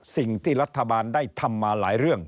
สิ่งที่รัฐบาลได้ทำมาหลายเรื่อง